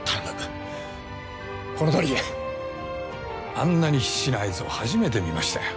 あんなに必死なあいつを初めて見ましたよ。